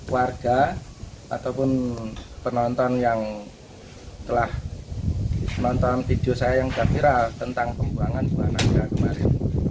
warga ataupun penonton yang telah menonton video saya yang sudah viral tentang pembuangan dua anaknya kemarin